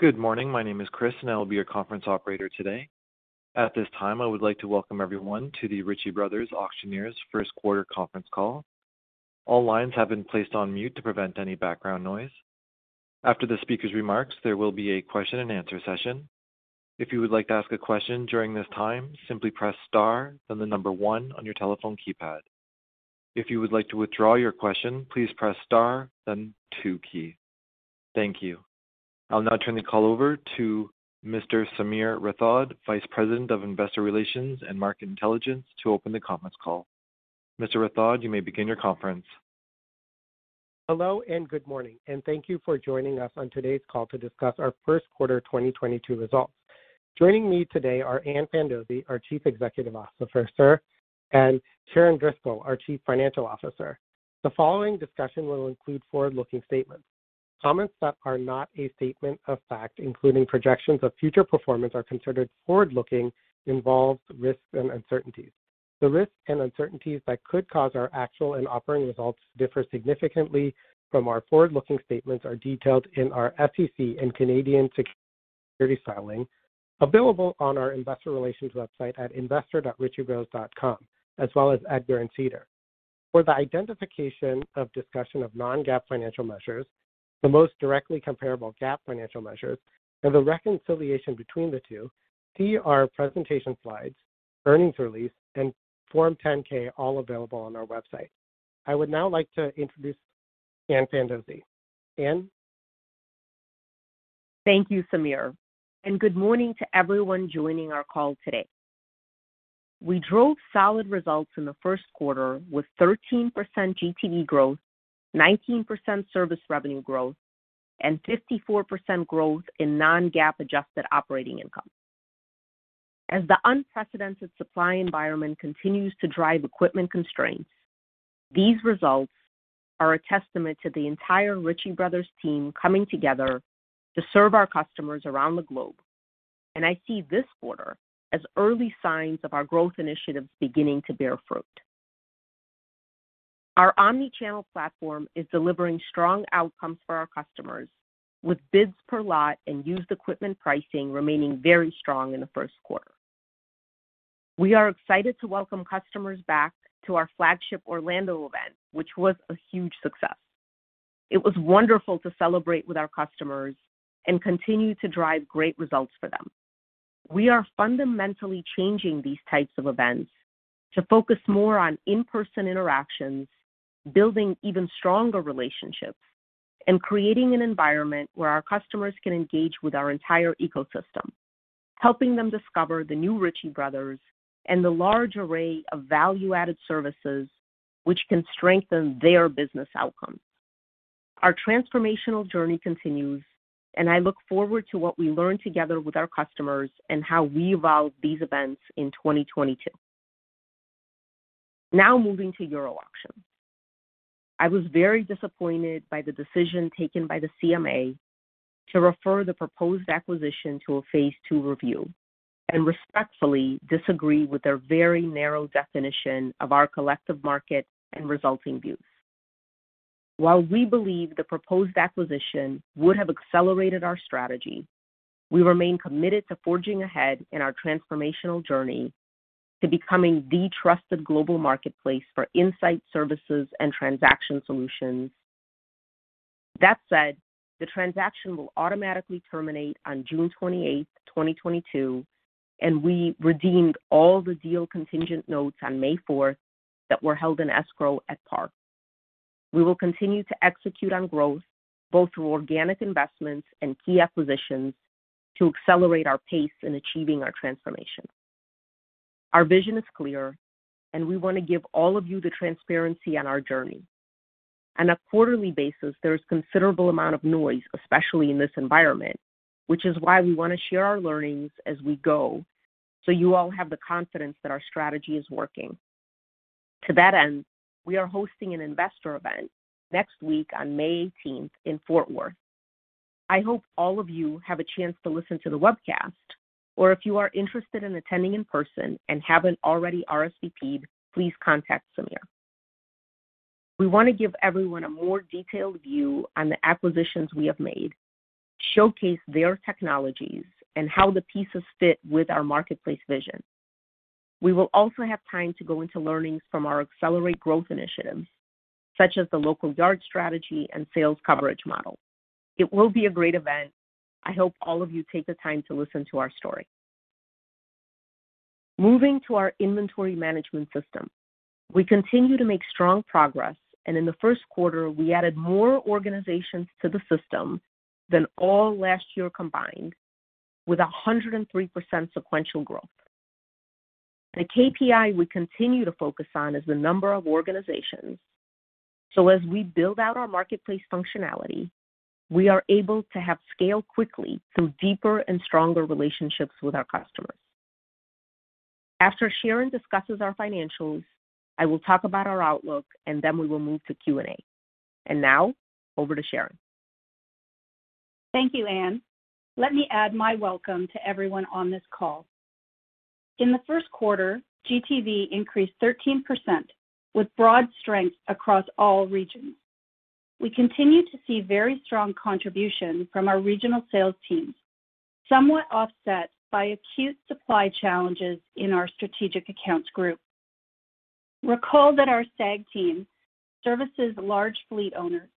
Good morning. My name is Chris, and I will be your conference operator today. At this time, I would like to welcome everyone to the Ritchie Bros. Auctioneers first quarter conference call. All lines have been placed on mute to prevent any background noise. After the speaker's remarks, there will be a question and answer session. If you would like to ask a question during this time, simply press star, then the number one on your telephone keypad. If you would like to withdraw your question, please press star, then two key. Thank you. I'll now turn the call over to Mr. Sameer Rathod, Vice President of Investor Relations & Market Intelligence, to open the conference call. Mr. Rathod, you may begin your conference. Hello, and good morning, and thank you for joining us on today's call to discuss our first quarter 2022 results. Joining me today are Ann Fandozzi, our Chief Executive Officer, and Sharon Driscoll, our Chief Financial Officer. The following discussion will include forward-looking statements. Comments that are not a statement of fact, including projections of future performance, are considered forward-looking, involve risks and uncertainties. The risks and uncertainties that could cause our actual and operating results to differ significantly from our forward-looking statements are detailed in our SEC and Canadian securities filing, available on our investor relations website at investor.ritchiebros.com, as well as EDGAR and SEDAR. For the identification of discussion of non-GAAP financial measures, the most directly comparable GAAP financial measures, and the reconciliation between the two, see our presentation slides, earnings release, and Form 10-K, all available on our website. I would now like to introduce Ann Fandozzi. Ann? Thank you, Sameer, and good morning to everyone joining our call today. We drove solid results in the first quarter with 13% GTV growth, 19% service revenue growth, and 54% growth in non-GAAP adjusted operating income. As the unprecedented supply environment continues to drive equipment constraints, these results are a testament to the entire Ritchie Bros. team coming together to serve our customers around the globe. I see this quarter as early signs of our growth initiatives beginning to bear fruit. Our omni-channel platform is delivering strong outcomes for our customers with bids per lot and used equipment pricing remaining very strong in the first quarter. We are excited to welcome customers back to our flagship Orlando event, which was a huge success. It was wonderful to celebrate with our customers and continue to drive great results for them. We are fundamentally changing these types of events to focus more on in-person interactions, building even stronger relationships, and creating an environment where our customers can engage with our entire ecosystem, helping them discover the new Ritchie Bros. and the large array of value-added services which can strengthen their business outcomes. Our transformational journey continues, and I look forward to what we learn together with our customers and how we evolve these events in 2022. Now moving to Euro Auctions. I was very disappointed by the decision taken by the CMA to refer the proposed acquisition to a phase two review, and respectfully disagree with their very narrow definition of our collective market and resulting views. While we believe the proposed acquisition would have accelerated our strategy, we remain committed to forging ahead in our transformational journey to becoming the trusted global marketplace for insight services and transaction solutions. That said, the transaction will automatically terminate on 28th June 2022, and we redeemed all the deal contingent notes on 4th May that were held in escrow at par. We will continue to execute on growth, both through organic investments and key acquisitions, to accelerate our pace in achieving our transformation. Our vision is clear, and we want to give all of you the transparency on our journey. On a quarterly basis, there is considerable amount of noise, especially in this environment, which is why we want to share our learnings as we go, so you all have the confidence that our strategy is working. To that end, we are hosting an investor event next week on 18th May in Fort Worth. I hope all of you have a chance to listen to the webcast, or if you are interested in attending in person and haven't already RSVP'd, please contact Sameer. We want to give everyone a more detailed view on the acquisitions we have made, showcase their technologies, and how the pieces fit with our marketplace vision. We will also have time to go into learnings from our accelerate growth initiatives, such as the local yard strategy and sales coverage model. It will be a great event. I hope all of you take the time to listen to our story. Moving to our inventory management system. We continue to make strong progress, and in the first quarter, we added more organizations to the system than all last year combined with 103% sequential growth. The KPI we continue to focus on is the number of organizations. As we build out our marketplace functionality, we are able to have scale quickly through deeper and stronger relationships with our customers. After Sharon discusses our financials, I will talk about our outlook, and then we will move to Q&A. Now over to Sharon. Thank you, Ann. Let me add my welcome to everyone on this call. In the first quarter, GTV increased 13% with broad strength across all regions. We continue to see very strong contribution from our regional sales teams, somewhat offset by acute supply challenges in our strategic accounts group. Recall that our SAG team services large fleet owners,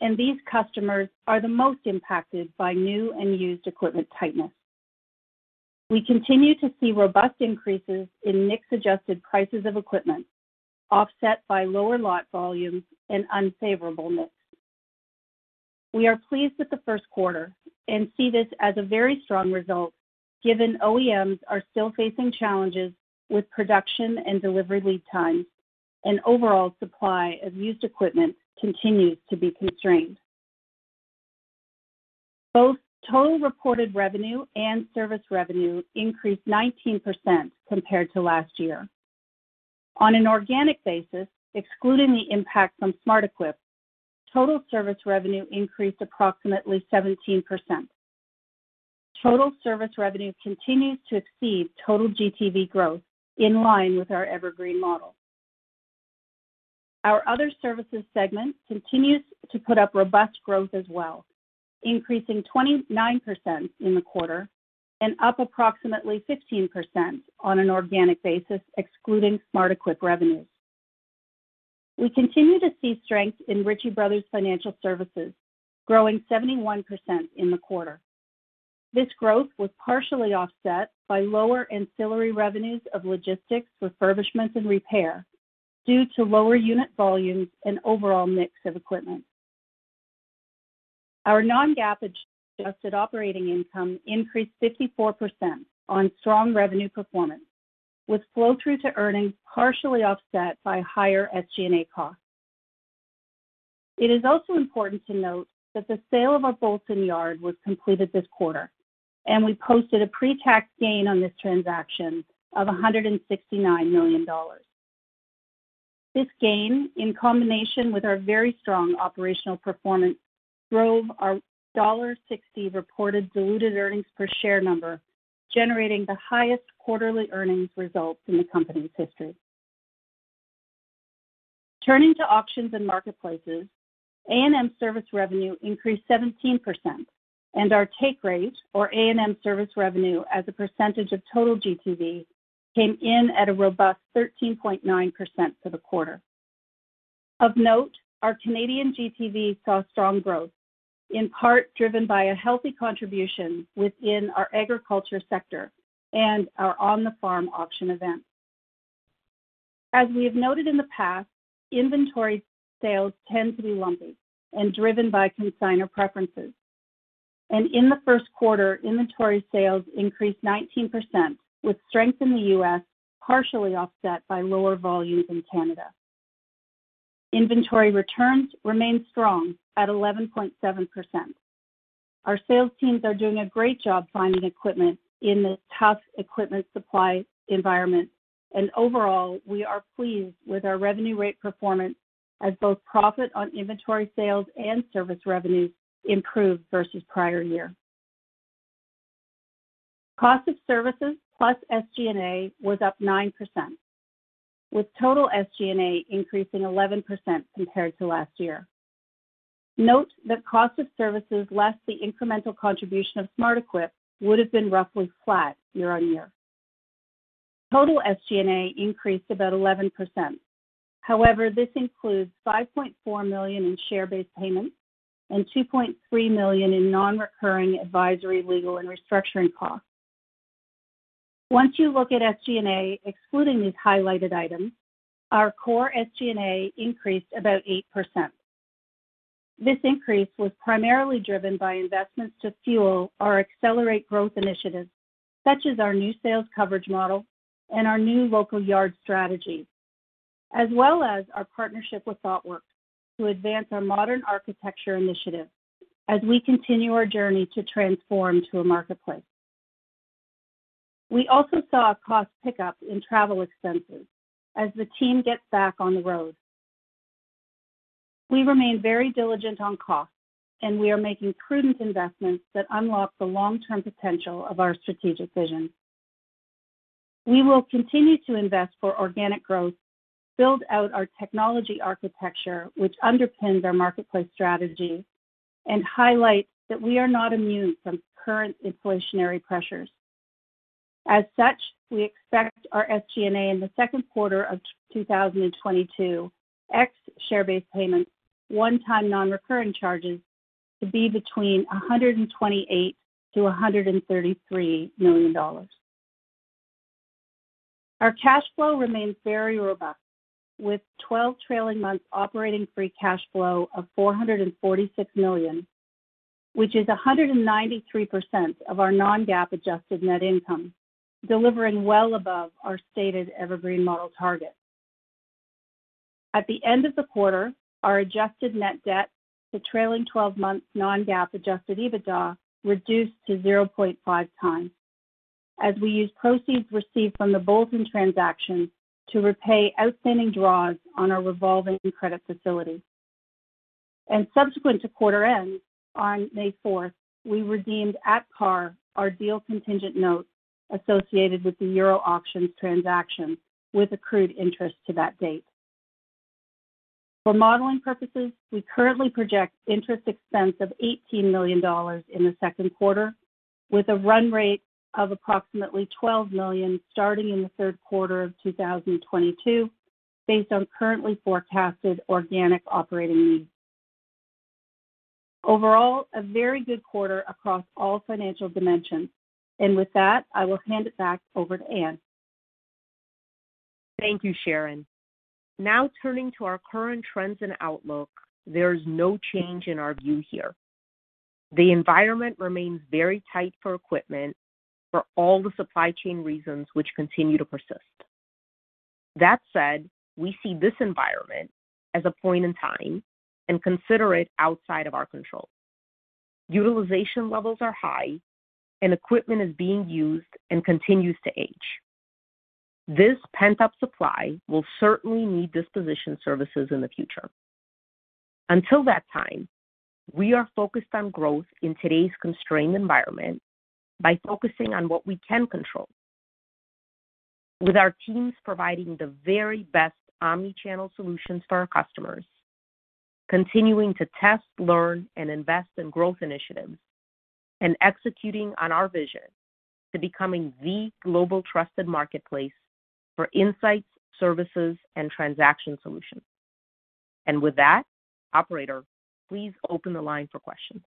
and these customers are the most impacted by new and used equipment tightness. We continue to see robust increases in mix-adjusted prices of equipment, offset by lower lot volumes and unfavorable mix. We are pleased with the first quarter and see this as a very strong result given OEMs are still facing challenges with production and delivery lead times, and overall supply of used equipment continues to be constrained. Both total reported revenue and service revenue increased 19% compared to last year. On an organic basis, excluding the impact from SmartEquip, total service revenue increased approximately 17%. Total service revenue continues to exceed total GTV growth in line with our Evergreen Model. Our other services segment continues to put up robust growth as well, increasing 29% in the quarter and up approximately 15% on an organic basis excluding SmartEquip revenues. We continue to see strength in Ritchie Bros. Financial Services growing 71% in the quarter. This growth was partially offset by lower ancillary revenues of logistics, refurbishments, and repair due to lower unit volumes and overall mix of equipment. Our non-GAAP adjusted operating income increased 54% on strong revenue performance with flow-through to earnings partially offset by higher SG&A costs. It is also important to note that the sale of our Bolton yard was completed this quarter, and we posted a pre-tax gain on this transaction of $169 million. This gain, in combination with our very strong operational performance, drove our $1.60 reported diluted earnings per share number, generating the highest quarterly earnings results in the company's history. Turning to auctions and marketplaces, A&M service revenue increased 17% and our take rate for A&M service revenue as a percentage of total GTV came in at a robust 13.9% for the quarter. Of note, our Canadian GTV saw strong growth, in part driven by a healthy contribution within our agriculture sector and our on the farm auction event. As we have noted in the past, inventory sales tend to be lumpy and driven by consignor preferences. In the first quarter, inventory sales increased 19% with strength in the U.S., partially offset by lower volumes in Canada. Inventory returns remained strong at 11.7%. Our sales teams are doing a great job finding equipment in this tough equipment supply environment. Overall, we are pleased with our revenue rate performance as both profit on inventory sales and service revenues improved versus prior year. Cost of services plus SG&A was up 9%, with total SG&A increasing 11% compared to last year. Note that cost of services less the incremental contribution of SmartEquip would have been roughly flat year-on-year. Total SG&A increased about 11%. However, this includes $5.4 million in share-based payments and $2.3 million in non-recurring advisory, legal, and restructuring costs. Once you look at SG&A excluding these highlighted items, our core SG&A increased about 8%. This increase was primarily driven by investments to fuel our accelerated growth initiatives, such as our new sales coverage model and our new local yard strategies, as well as our partnership with Thoughtworks to advance our modern architecture initiative as we continue our journey to transform to a marketplace. We also saw a cost pickup in travel expenses as the team gets back on the road. We remain very diligent on costs, and we are making prudent investments that unlock the long-term potential of our strategic vision. We will continue to invest for organic growth, build out our technology architecture, which underpins our marketplace strategy and highlights that we are not immune from current inflationary pressures. As such, we expect our SG&A in the second quarter of 2022, ex share-based payments, one-time non-recurring charges, to be between $128 million-$133 million. Our cash flow remains very robust with 12 trailing-month operating free cash flow of $446 million, which is 193% of our non-GAAP adjusted net income, delivering well above our stated Evergreen Model target. At the end of the quarter, our adjusted net debt to trailing 12 month non-GAAP adjusted EBITDA reduced to 0.5 times as we used proceeds received from the Bolton transaction to repay outstanding draws on our revolving credit facility. Subsequent to quarter end, on May fourth, we redeemed at par our debt contingent notes associated with the Euro Auctions transaction with accrued interest to that date. For modeling purposes, we currently project interest expense of $18 million in the second quarter, with a run rate of approximately $12 million starting in the third quarter of 2022 based on currently forecasted organic operating needs. Overall, a very good quarter across all financial dimensions. With that, I will hand it back over to Ann. Thank you, Sharon. Now turning to our current trends and outlook. There is no change in our view here. The environment remains very tight for equipment for all the supply chain reasons which continue to persist. That said, we see this environment as a point in time and consider it outside of our control. Utilization levels are high, and equipment is being used and continues to age. This pent-up supply will certainly need disposition services in the future. Until that time, we are focused on growth in today's constrained environment by focusing on what we can control. With our teams providing the very best omni-channel solutions for our customers, continuing to test, learn, and invest in growth initiatives, and executing on our vision to becoming the global trusted marketplace for insights, services, and transaction solutions. With that, operator, please open the line for questions.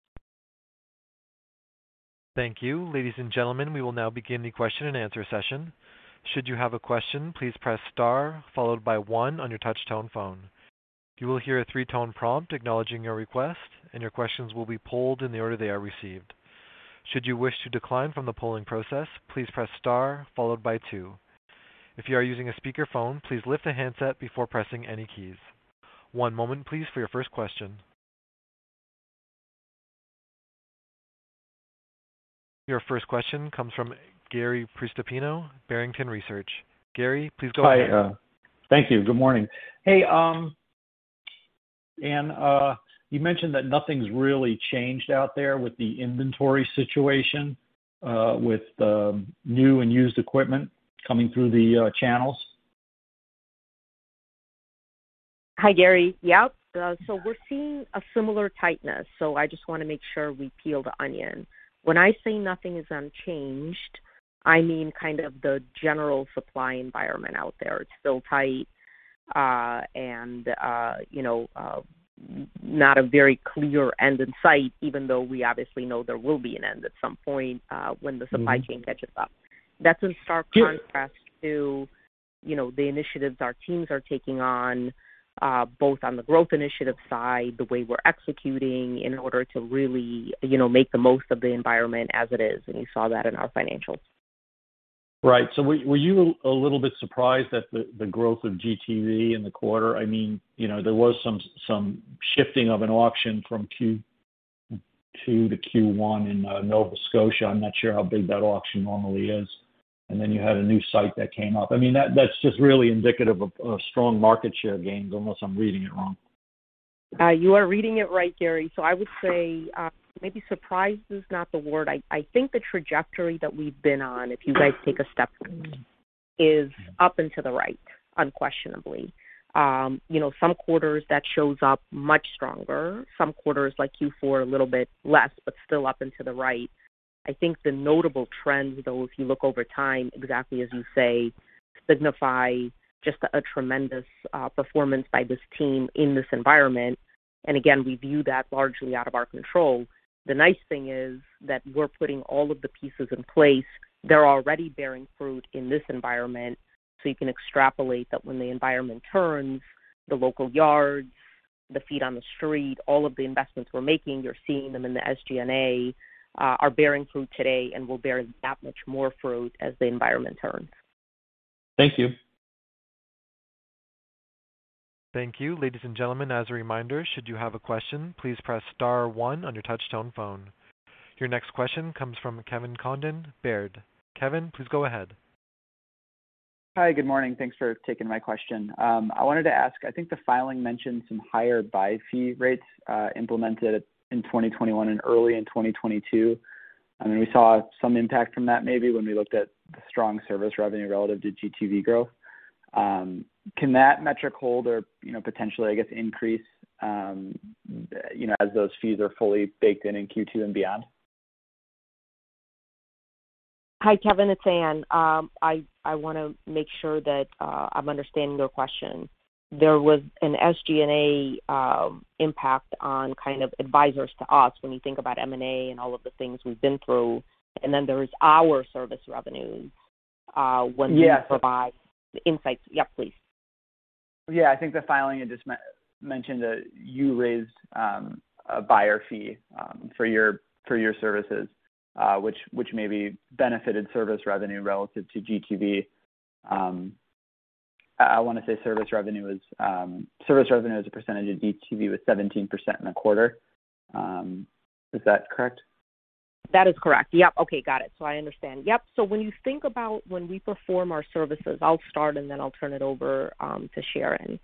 Thank you. Ladies and gentlemen, we will now begin the question and answer session. Should you have a question, please press star followed by one on your touch tone phone. You will hear a three-tone prompt acknowledging your request, and your questions will be polled in the order they are received. Should you wish to decline from the polling process, please press star followed by two. If you are using a speakerphone, please lift the handset before pressing any keys. One moment please for your first question. Your first question comes from Gary Prestopino, Barrington Research. Gary, please go ahead. Hi. Thank you. Good morning. Hey, Ann, you mentioned that nothing's really changed out there with the inventory situation, with the new and used equipment coming through the channels. Hi, Gary. Yep. So we're seeing a similar tightness, so I just want to make sure we peel the onion. When I say nothing is unchanged, I mean kind of the general supply environment out there. It's still tight, and you know, not a very clear end in sight, even though we obviously know there will be an end at some point, when the supply chain catches up. That's in stark contrast to, you know, the initiatives our teams are taking on, both on the growth initiative side, the way we're executing in order to really, you know, make the most of the environment as it is, and you saw that in our financials. Right. Were you a little bit surprised at the growth of GTV in the quarter? I mean, you know, there was some shifting of an auction from Q2-Q1 in Nova Scotia. I'm not sure how big that auction normally is. Then you had a new site that came up. I mean, that's just really indicative of strong market share gains, unless I'm reading it wrong. You are reading it right, Gary. So I would say, maybe surprised is not the word. I think the trajectory that we've been on, if you guys take a step back, is up and to the right, unquestionably. You know, some quarters that shows up much stronger. Some quarters like Q4, a little bit less, but still up and to the right. I think the notable trend, though, if you look over time, exactly as you say, signify just a tremendous performance by this team in this environment. Again, we view that largely out of our control. The nice thing is that we're putting all of the pieces in place. They're already bearing fruit in this environment. You can extrapolate that when the environment turns, the local yards, the feet on the street, all of the investments we're making, you're seeing them in the SG&A, are bearing fruit today and will bear that much more fruit as the environment turns. Thank you. Thank you. Ladies and gentlemen, as a reminder, should you have a question, please press star one on your touch tone phone. Your next question comes from Kevin Condon, Baird. Kevin, please go ahead. Hi, good morning. Thanks for taking my question. I wanted to ask. I think the filing mentioned some higher buy fee rates, implemented late in 2021 and early in 2022. I mean, we saw some impact from that maybe when we looked at the strong service revenue relative to GTV growth. Can that metric hold or, you know, potentially, I guess, increase, you know, as those fees are fully baked in in Q2 and beyond? Hi, Kevin, it's Ann. I wanna make sure that I'm understanding your question. There was an SG&A impact on kind of advisors to us when you think about M&A and all of the things we've been through. Then there is our service revenue. Yes. When we provide the insights. Yeah, please. Yeah. I think the filing had just mentioned that you raised a buyer fee for your services, which may have benefited service revenue relative to GTV. I wanna say service revenue as a percentage of GTV was 17% in a quarter. Is that correct? That is correct. Yep. Okay. Got it. I understand. Yep. When you think about when we perform our services, I'll start, and then I'll turn it over to Sharon.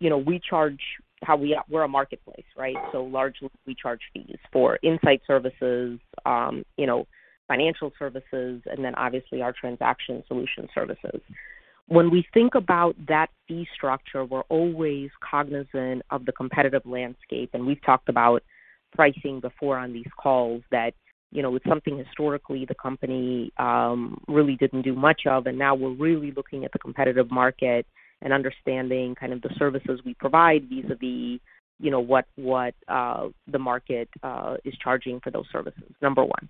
You know, we're a marketplace, right? Largely, we charge fees for insight services, you know, financial services, and then obviously our transaction solution services. When we think about that fee structure, we're always cognizant of the competitive landscape. We've talked about pricing before on these calls that, you know, it's something historically the company really didn't do much of, and now we're really looking at the competitive market and understanding kind of the services we provide vis-à-vis, you know, what the market is charging for those services, number one.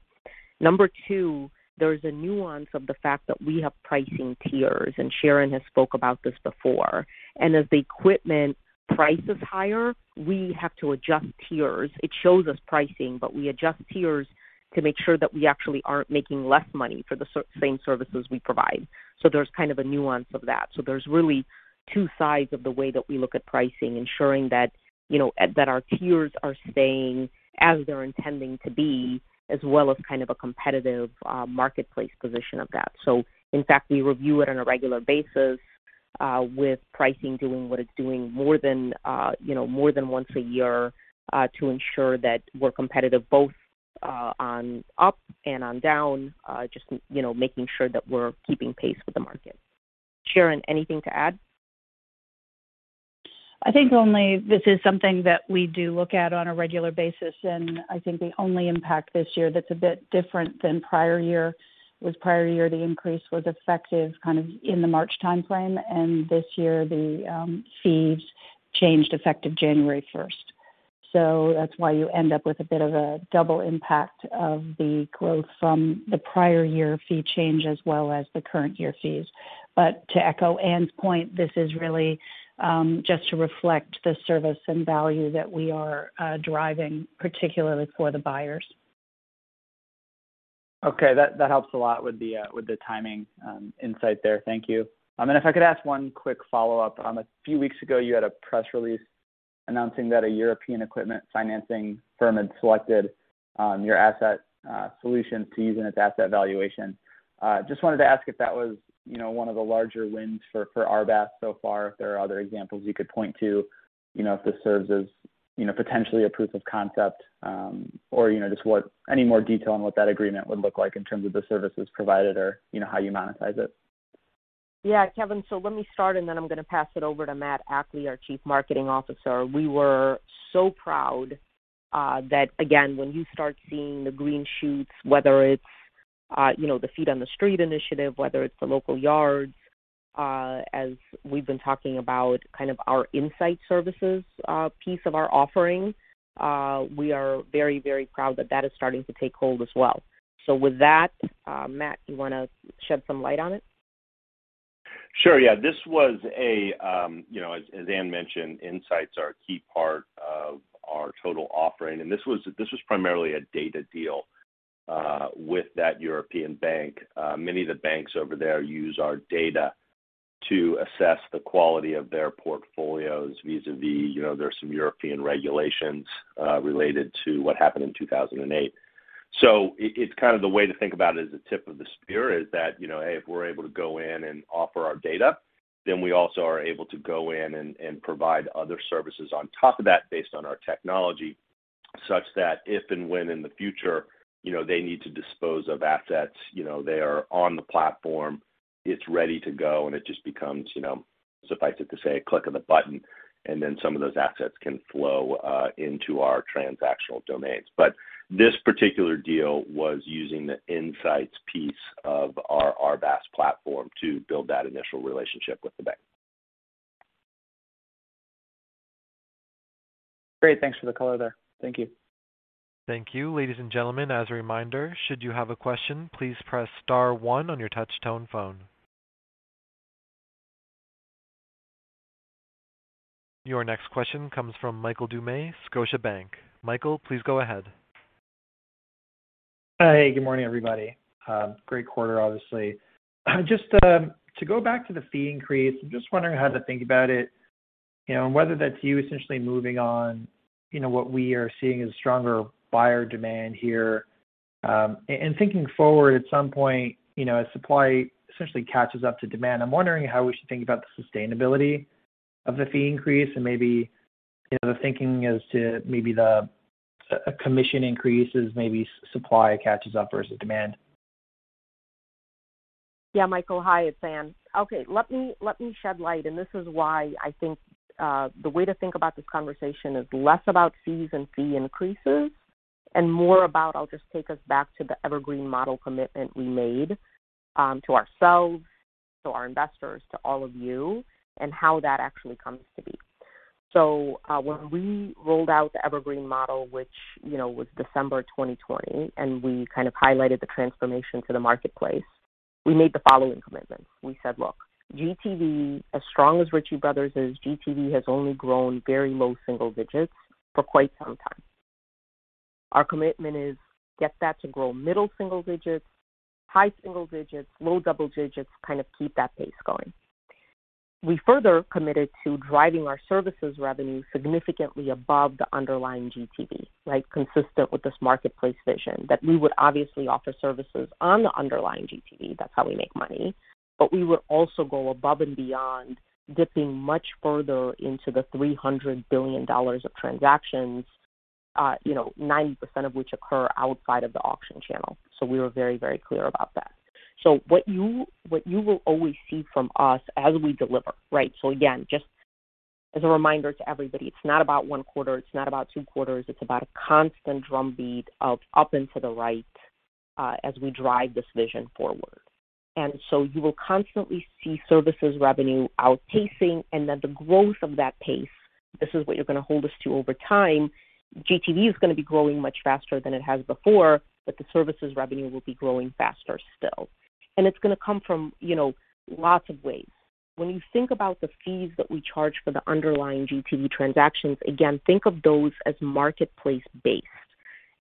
Number 2, there's a nuance of the fact that we have pricing tiers, and Sharon has spoke about this before. As the equipment price is higher, we have to adjust tiers. It shows us pricing, but we adjust tiers to make sure that we actually aren't making less money for the same services we provide. There's kind of a nuance of that. There's really two sides of the way that we look at pricing, ensuring that, you know, that our tiers are staying as they're intending to be, as well as kind of a competitive marketplace position of that. In fact, we review it on a regular basis, with pricing doing what it's doing more than, you know, more than once a year, to ensure that we're competitive both, on up and on down, just, you know, making sure that we're keeping pace with the market. Sharon, anything to add? I think only this is something that we do look at on a regular basis, and I think the only impact this year that's a bit different than prior year was prior year, the increase was effective kind of in the much timeframe, and this year the fees changed effective January first. That's why you end up with a bit of a double impact of the growth from the prior year fee change as well as the current year fees. To echo Ann's point, this is really just to reflect the service and value that we are driving, particularly for the buyers. Okay. That helps a lot with the timing insight there. Thank you. If I could ask one quick follow-up. A few weeks ago, you had a press release announcing that a European equipment financing firm had selected your asset solution to use in its asset valuation. Just wanted to ask if that was, you know, one of the larger wins for RBAS so far, if there are other examples you could point to, you know, if this serves as, you know, potentially a proof of concept, or, you know, just what any more detail on what that agreement would look like in terms of the services provided or you know, how you monetize it. Yeah. Kevin, so let me start, and then I'm going to pass it over to Matt Ackley, our Chief Marketing Officer. We were so proud that again, when you start seeing the green shoots, whether it's you know, the feet on the street initiative, whether it's the local yards, as we've been talking about kind of our insight services piece of our offerings, we are very, very proud that that is starting to take hold as well. With that, Matt, you want to shed some light on it? Sure. Yeah. This was a, you know, as Anne mentioned, insights are a key part of our total offering, and this was primarily a data deal with that European bank. Many of the banks over there use our data to assess the quality of their portfolios vis-a-vis, you know, there are some European regulations related to what happened in 2008. It's kind of the way to think about it is the tip of the spear is that, you know, hey, if we're able to go in and offer our data, then we also are able to go in and provide other services on top of that based on our technology, such that if and when in the future, you know, they need to dispose of assets, you know, they are on the platform, it's ready to go, and it just becomes, you know, suffice it to say, a click of a button, and then some of those assets can flow into our transactional domains. But this particular deal was using the insights piece of our RBAS platform to build that initial relationship with the bank. Great. Thanks for the color there. Thank you. Thank you. Ladies and gentlemen, as a reminder, should you have a question, please press star one on your touch tone phone. Your next question comes from Michael Doumet, Scotiabank. Michael, please go ahead. Hey, good morning, everybody. Great quarter, obviously. Just to go back to the fee increase, I'm just wondering how to think about it, you know, and whether that's you essentially moving on, you know, what we are seeing is stronger buyer demand here. Thinking forward, at some point, you know, as supply essentially catches up to demand, I'm wondering how we should think about the sustainability of the fee increase and maybe, you know, the thinking as to maybe the commission increases, maybe supply catches up versus demand. Yeah. Michael Doumet. Hi, it's Ann Fandozzi. Okay. Let me shed light, and this is why I think the way to think about this conversation is less about fees and fee increases and more about I'll just take us back to the Evergreen Model commitment we made to ourselves, to our investors, to all of you, and how that actually comes to be. When we rolled out the Evergreen Model, which, you know, was December 2020, and we kind of highlighted the transformation to the marketplace, we made the following commitments. We said, "Look, GTV, as strong as Ritchie Bros. is, GTV has only grown very low single digits for quite some time. Our commitment is to get that to grow middle single digits, high single digits, low double digits, kind of keep that pace going. We further committed to driving our services revenue significantly above the underlying GTV, right? Consistent with this marketplace vision that we would obviously offer services on the underlying GTV. That's how we make money. But we would also go above and beyond dipping much further into the $300 billion of transactions, you know, 90% of which occur outside of the auction channel. We were very, very clear about that. What you will always see from us as we deliver, right? Again, just as a reminder to everybody, it's not about one quarter, it's not about two quarters. It's about a constant drumbeat of up into the right, as we drive this vision forward. You will constantly see services revenue outpacing, and then the growth of that pace. This is what you're gonna hold us to over time. GTV is gonna be growing much faster than it has before, but the services revenue will be growing faster still. It's gonna come from, you know, lots of ways. When you think about the fees that we charge for the underlying GTV transactions, again, think of those as marketplace-based.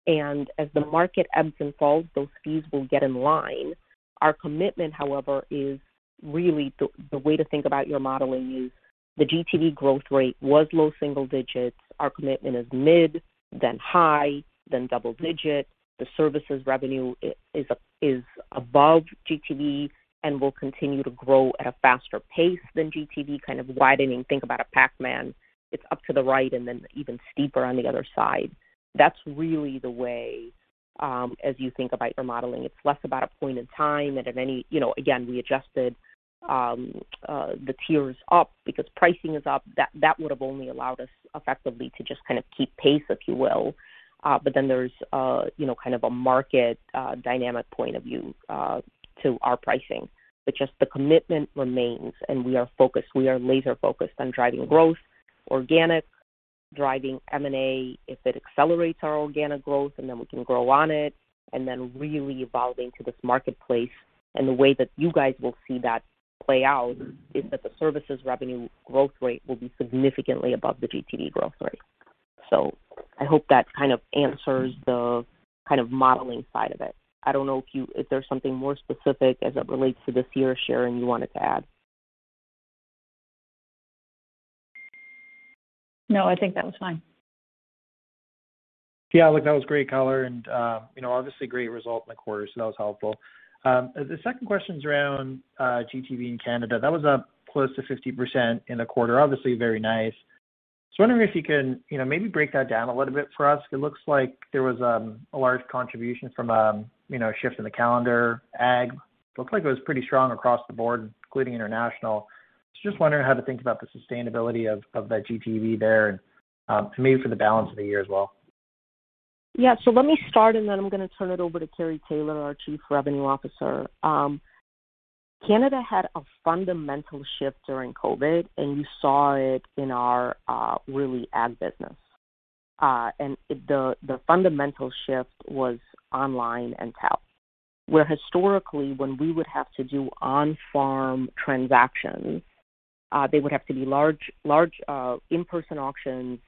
As the market ebbs and falls, those fees will get in line. Our commitment, however, is really the way to think about your modeling is the GTV growth rate was low single digits. Our commitment is mid, then high, then double digits. The services revenue is above GTV and will continue to grow at a faster pace than GTV, kind of widening. Think about a Pac-Man. It's up to the right and then even steeper on the other side. That's really the way as you think about your modeling. It's less about a point in time. You know, again, we adjusted the tiers up because pricing is up. That would've only allowed us effectively to just kind of keep pace, if you will. But then there's, you know, kind of a market dynamic point of view to our pricing. Just the commitment remains, and we are focused. We are laser-focused on driving growth, organic, driving M&A if it accelerates our organic growth, and then we can grow on it, and then really evolving to this marketplace. The way that you guys will see that play out is that the services revenue growth rate will be significantly above the GTV growth rate. I hope that kind of answers the kind of modeling side of it. I don't know if there's something more specific as it relates to this year, Sharon, you wanted to add. No, I think that was fine. Yeah. Look, that was great color and, you know, obviously great result in the quarter, so that was helpful. The second question's around, GTV in Canada. That was up close to 50% in the quarter, obviously very nice. So wondering if you can, you know, maybe break that down a little bit for us. It looks like there was, a large contribution from, you know, a shift in the calendar. Ag looked like it was pretty strong across the board, including international. So just wondering how to think about the sustainability of, that GTV there and, maybe for the balance of the year as well. Yeah. Let me start, and then I'm gonna turn it over to Kari Taylor, our Chief Revenue Officer. Canada had a fundamental shift during COVID, and you saw it in our really ag business. The fundamental shift was online, where historically when we would have to do on-farm transactions, they would have to be large in-person auctions.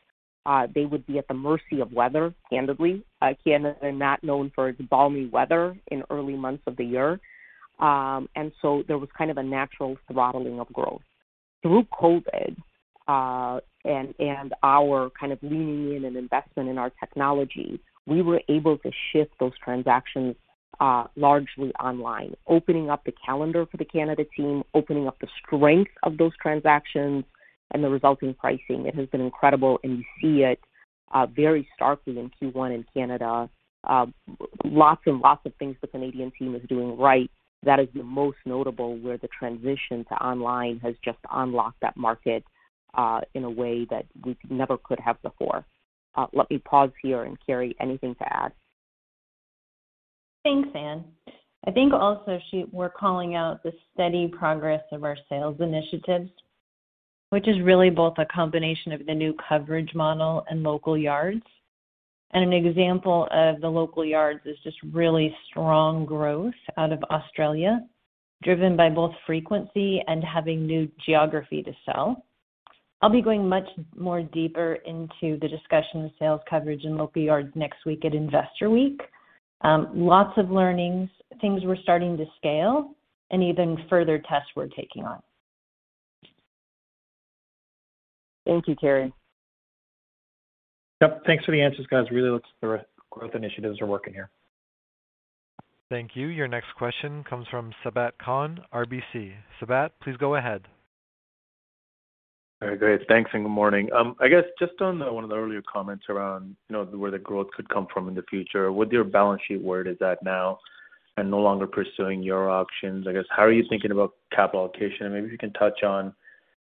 They would be at the mercy of weather, candidly. Canada not known for its balmy weather in early months of the year. There was kind of a natural throttling of growth. Through COVID, and our kind of leaning in and investment in our technology, we were able to shift those transactions largely online, opening up the calendar for the Canada team, opening up the strength of those transactions and the resulting pricing. It has been incredible, and you see it very starkly in Q1 in Canada. Lots and lots of things the Canadian team is doing right. That is the most notable, where the transition to online has just unlocked that market in a way that we never could have before. Let me pause here and Kari, anything to add? Thanks, Ann Fandozzi. I think also, we're calling out the steady progress of our sales initiatives, which is really both a combination of the new coverage model and local yards. An example of the local yards is just really strong growth out of Australia, driven by both frequency and having new geography to sell. I'll be going much more deeper into the discussion of sales coverage and local yards next week at Investor Week. Lots of learnings, things we're starting to scale and even further tests we're taking on. Thank you, Kari. Yep. Thanks for the answers, guys. Really looks like the growth initiatives are working here. Thank you. Your next question comes from Sabahat Khan, RBC. Sabahat, please go ahead. All right, great. Thanks, and good morning. I guess just on one of the earlier comments around, you know, where the growth could come from in the future, with your balance sheet where it is at now and no longer pursuing your options, I guess, how are you thinking about capital allocation? Maybe if you can touch on,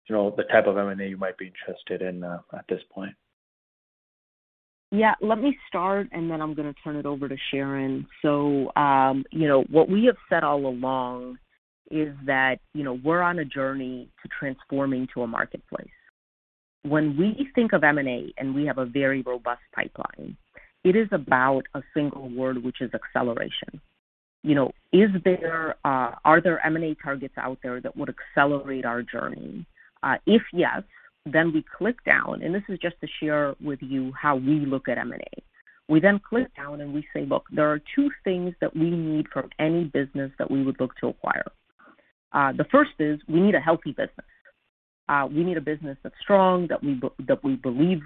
you know, the type of M&A you might be interested in, at this point? Yeah. Let me start, and then I'm gonna turn it over to Sharon. You know, what we have said all along is that, you know, we're on a journey to transforming to a marketplace. When we think of M&A, and we have a very robust pipeline, it is about a single word, which is acceleration. You know, are there M&A targets out there that would accelerate our journey? If yes, then we click down, and this is just to share with you how we look at M&A. We then click down and we say, look, there are two things that we need from any business that we would look to acquire. The first is we need a healthy business. We need a business that's strong, that we believe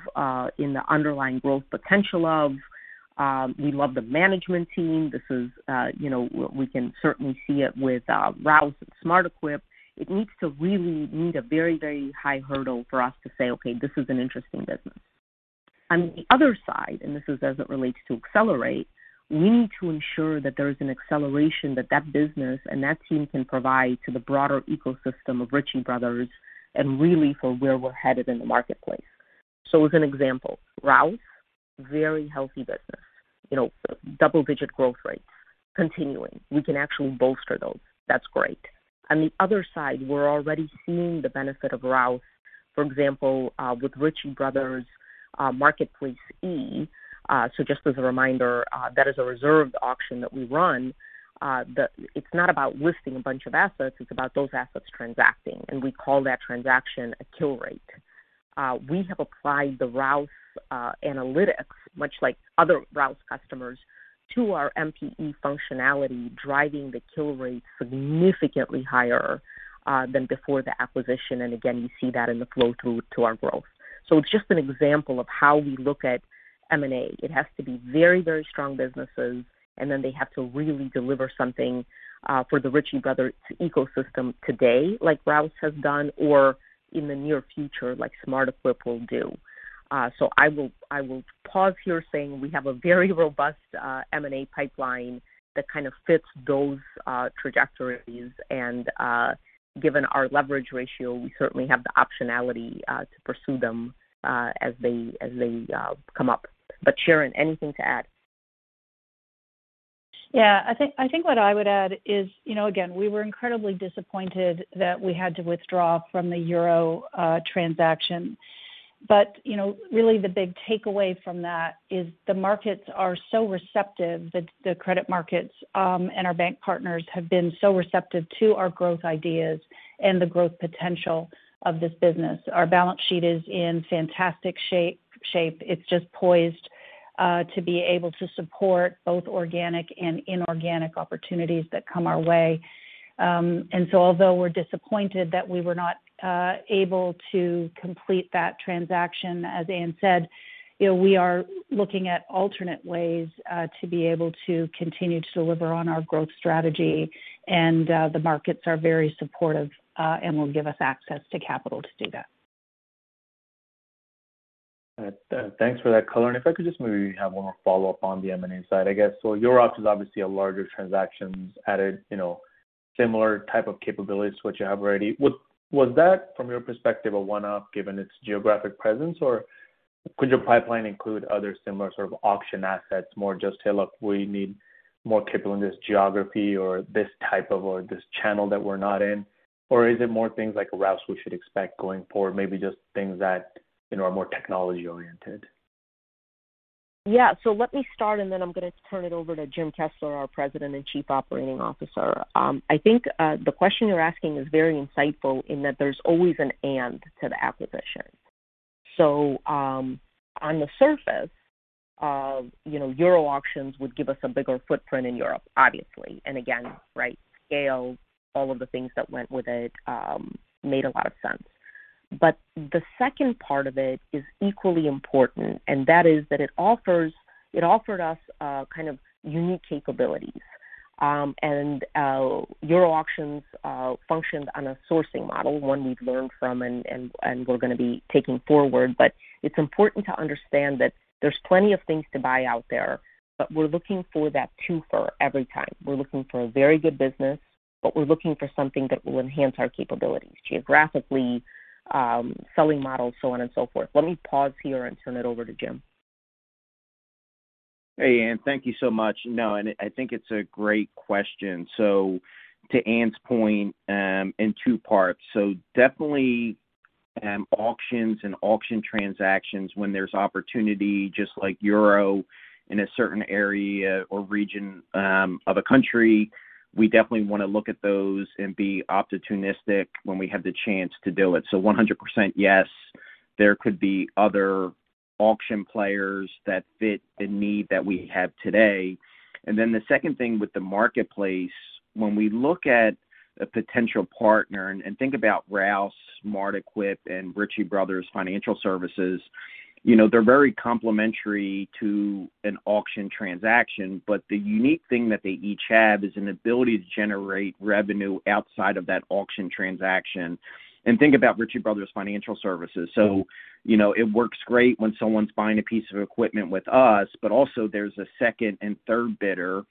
in the underlying growth potential of, we love the management team. This is, you know, we can certainly see it with Rouse and SmartEquip. It needs to really meet a very, very high hurdle for us to say, okay, this is an interesting business. On the other side, this is as it relates to accelerate, we need to ensure that there is an acceleration that that business and that team can provide to the broader ecosystem of Ritchie Bros. and really for where we're headed in the marketplace. As an example, Rouse, very healthy business. You know, double-digit growth rates continuing. We can actually bolster those. That's great. On the other side, we're already seeing the benefit of Rouse, for example, with Ritchie Bros. Marketplace-E. Just as a reminder, that is a reserved auction that we run. It's not about listing a bunch of assets, it's about those assets transacting, and we call that transaction a kill rate. We have applied the Rouse analytics, much like other Rouse customers to our MPE functionality, driving the kill rate significantly higher than before the acquisition. Again, you see that in the flow through to our growth. It's just an example of how we look at M&A. It has to be very, very strong businesses, and then they have to really deliver something for the Ritchie Bros. ecosystem today, like Rouse has done or in the near future, like SmartEquip will do. I will pause here saying we have a very robust M&A pipeline that kind of fits those trajectories. Given our leverage ratio, we certainly have the optionality to pursue them as they come up. Sharon, anything to add? I think what I would add is, you know, again, we were incredibly disappointed that we had to withdraw from the Euro Auctions transaction. You know, really the big takeaway from that is the markets are so receptive that the credit markets and our bank partners have been so receptive to our growth ideas and the growth potential of this business. Our balance sheet is in fantastic shape. It's just poised to be able to support both organic and inorganic opportunities that come our way. Although we're disappointed that we were not able to complete that transaction, as Ann said, you know, we are looking at alternate ways to be able to continue to deliver on our growth strategy, and the markets are very supportive and will give us access to capital to do that. Thanks for that color. If I could just maybe have one more follow-up on the M&A side, I guess. Euro Auctions is obviously a larger transaction added, you know, similar types of capabilities to what you have already. What was that from your perspective, a one-off given its geographic presence, or could your pipeline include other similar sort of auction assets, more just, hey, look, we need more capability in this geography or this type of or this channel that we're not in? Or is it more things like Rouse we should expect going forward? Maybe just things that, you know, are more technology-oriented. Yeah. Let me start, and then I'm gonna turn it over to James Kessler, our President and Chief Operating Officer. I think the question you're asking is very insightful in that there's always an and to the acquisition. On the surface of, you know, Euro Auctions would give us a bigger footprint in Europe, obviously, and again, right, scale, all of the things that went with it, made a lot of sense. The second part of it is equally important, and that is that it offered us kind of unique capabilities. Euro Auctions functioned on a sourcing model, one we've learned from and we're gonna be taking forward. It's important to understand that there's plenty of things to buy out there, but we're looking for that twofer every time. We're looking for a very good business, but we're looking for something that will enhance our capabilities geographically, selling models, so on and so forth. Let me pause here and turn it over to Jim. Hey, Ann. Thank you so much. No, and I think it's a great question. To Ann's point, in two parts. Definitely, auctions and auction transactions when there's opportunity, just like Euro Auctions in a certain area or region of a country, we definitely want to look at those and be opportunistic when we have the chance to do it. 100%, yes, there could be other auction players that fit the need that we have today. Then the second thing with the marketplace, when we look at a potential partner and think about Rouse, SmartEquip, and Ritchie Bros. Financial Services, you know, they're very complementary to an auction transaction, but the unique thing that they each have is an ability to generate revenue outside of that auction transaction. Think about Ritchie Bros. Financial Services. You know, it works great when someone's buying a piece of equipment with us, but also there's a second and third bidder,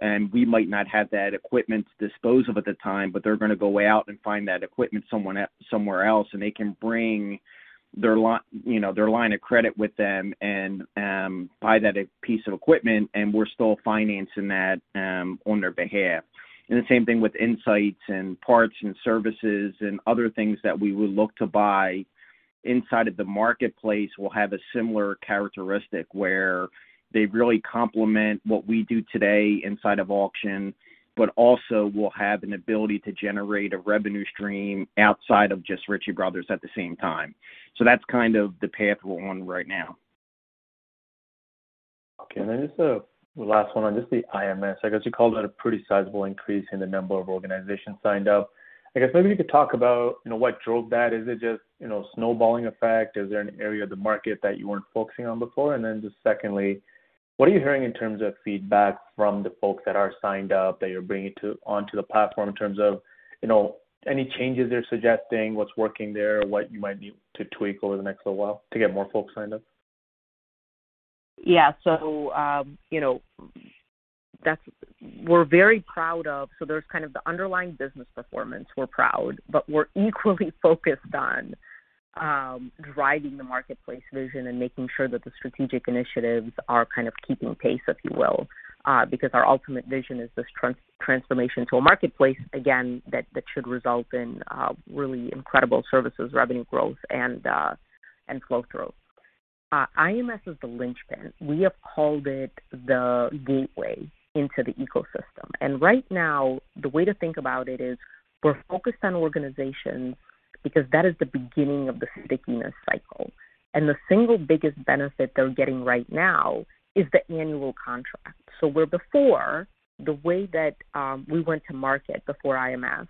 and we might not have that equipment to dispose of at the time, but they're gonna go out and find that equipment somewhere else, and they can bring their line of credit with them and buy that piece of equipment, and we're still financing that on their behalf. And the same thing with insights and parts and services and other things that we would look to buy inside of the marketplace will have a similar characteristic where they really complement what we do today inside of auction, but also will have an ability to generate a revenue stream outside of just Ritchie Bros. at the same time. That's kind of the path we're on right now. Okay. Just a last one on just the IMS. I guess you called it a pretty sizable increase in the number of organizations signed up. I guess maybe you could talk about, you know, what drove that. Is it just, you know, snowballing effect? Is there an area of the market that you weren't focusing on before? Just secondly, what are you hearing in terms of feedback from the folks that are signed up, that you're bringing onto the platform in terms of, you know, any changes they're suggesting, what's working there, what you might need to tweak over the next little while to get more folks signed up? You know, that's what we're very proud of. There's kind of the underlying business performance we're proud of, but we're equally focused on driving the marketplace vision and making sure that the strategic initiatives are kind of keeping pace, if you will. Because our ultimate vision is this transformation to a marketplace, again, that should result in really incredible services, revenue growth and free cash flow growth. IMS is the linchpin. We have called it the gateway into the ecosystem. Right now, the way to think about it is we're focused on organizations because that is the beginning of the stickiness cycle. The single biggest benefit they're getting right now is the annual contract. Where before, the way that we went to market before IMS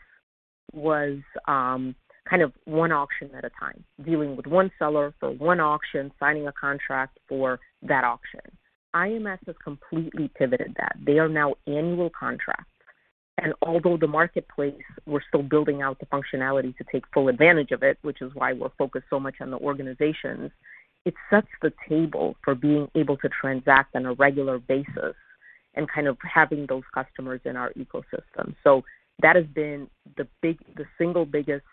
was kind of one auction at a time, dealing with one seller for one auction, signing a contract for that auction. IMS has completely pivoted that. They are now annual contracts. Although the marketplace, we're still building out the functionality to take full advantage of it, which is why we're focused so much on the organizations, it sets the table for being able to transact on a regular basis and kind of having those customers in our ecosystem. That has been the single biggest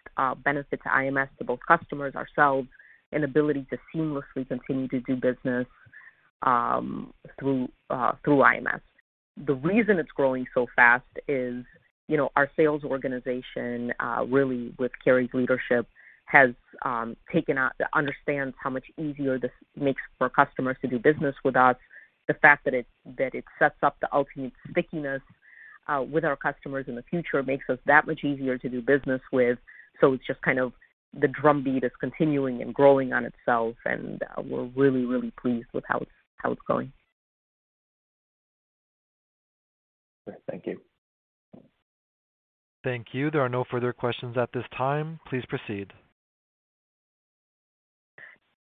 benefit to IMS, to both customers, ourselves, and ability to seamlessly continue to do business through IMS. The reason it's growing so fast is, you know, our sales organization really with Kari's leadership has understands how much easier this makes for customers to do business with us. The fact that it sets up the ultimate stickiness with our customers in the future makes us that much easier to do business with. It's just kind of the drumbeat is continuing and growing on itself, and we're really, really pleased with how it's going. Thank you. Thank you. There are no further questions at this time. Please proceed.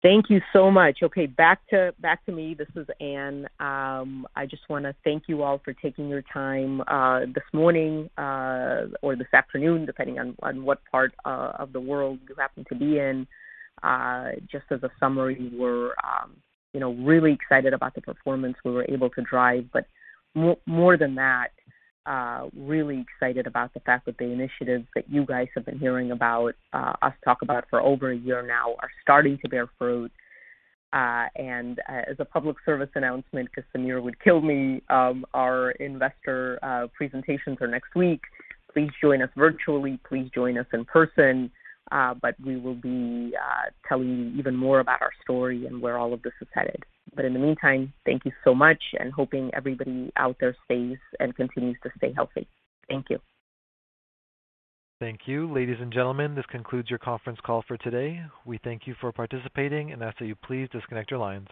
Thank you so much. Okay, back to me. This is Ann. I just wanna thank you all for taking your time this morning or this afternoon, depending on what part of the world you happen to be in. Just as a summary, we're you know really excited about the performance we were able to drive. More than that, really excited about the fact that the initiatives that you guys have been hearing about us talk about for over a year now are starting to bear fruit. As a public service announcement, 'cause Samir would kill me, our investor presentations are next week. Please join us virtually. Please join us in person. We will be telling you even more about our story and where all of this is headed. In the meantime, thank you so much, and hoping everybody out there stays and continues to stay healthy. Thank you. Thank you. Ladies and gentlemen, this concludes your Conference Call for today. We thank you for participating and ask that you please disconnect your lines.